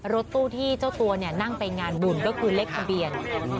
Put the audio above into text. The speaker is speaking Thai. รถตู้ที่เจ้าตัวเนี่ยนั่งไปงานบุ่นก็คือเลขทะเบียน๗๑๑๗